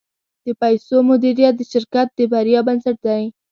د پیسو مدیریت د شرکت د بریا بنسټ دی.